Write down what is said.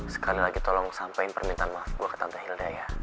sekali lagi tolong sampaikan permintaan maaf gue ke tante hilda ya